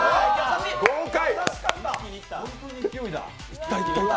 豪快！